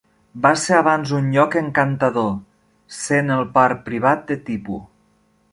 Va ser abans un lloc encantador, sent el parc privat de Tipu.